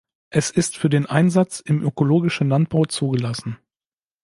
Es ist für den Einsatz im ökologischen Landbau zugelassen.